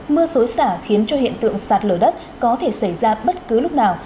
mưa xối xả khiến cho hiện tượng sạt lở đất có thể xảy ra bất cứ lúc nào